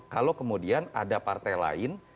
kalau kemudian ada partai lain